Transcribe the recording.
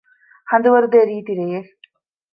ހަނދުވަރުދޭ ރީތިރެއެއް